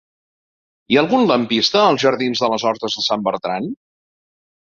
Hi ha algun lampista als jardins de les Hortes de Sant Bertran?